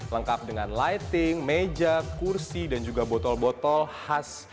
lengkap dengan lighting meja kursi dan juga botol botol khas